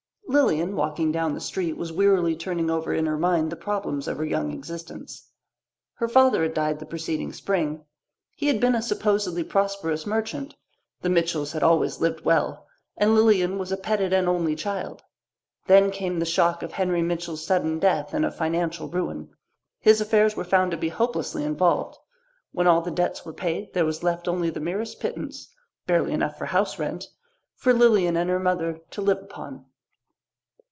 Lilian, walking down the street, was wearily turning over in her mind the problems of her young existence. Her father had died the preceding spring. He had been a supposedly prosperous merchant; the Mitchells had always lived well, and Lilian was a petted and only child. Then came the shock of Henry Mitchell's sudden death and of financial ruin. His affairs were found to be hopelessly involved; when all the debts were paid there was left only the merest pittance barely enough for house rent for Lilian and her mother to live upon.